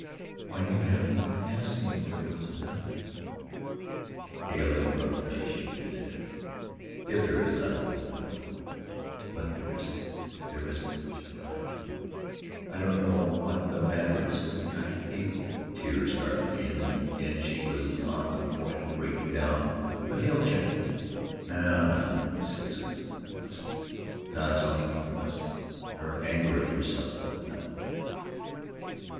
Why, you haven't even asked me if there was another " Hale interrupted her, shaking his head. "If there is, I don't want to know." "But there isn't, there isn't!" she cried, "I don't know what is the matter with me. I hate " the tears started again, and again she was on the point of breaking down, but Hale checked her. "Now, now," he said soothingly, "you mustn't, now that's all right. You mustn't." Her anger at herself helped now.